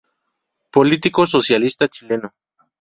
Político socialista chileno.